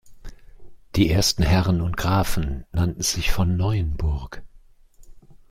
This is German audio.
Die ersten Herren und Grafen nannten sich von Neuenburg.